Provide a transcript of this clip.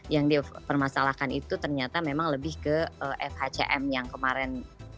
yang dipermasalahkan itu ternyata memang lebih ke fhcm yang kemarin